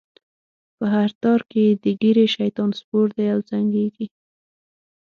په هر تار کی یې د ږیری؛ شیطان سپور دی او زنګیږی